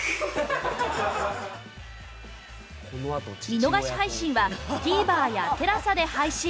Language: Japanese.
見逃し配信は ＴＶｅｒ や ＴＥＬＡＳＡ で配信